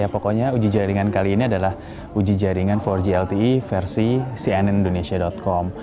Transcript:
pokoknya uji jaringan kali ini adalah uji jaringan empat g lte versi cnnindonesia com